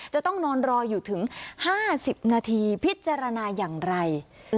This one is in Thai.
จะต้องนอนรออยู่ถึง๕๐นาทีพิจารณาอย่างไร